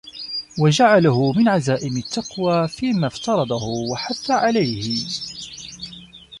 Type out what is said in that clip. وَجَعَلَهُ مِنْ عَزَائِمِ التَّقْوَى فِيمَا افْتَرَضَهُ وَحَثَّ عَلَيْهِ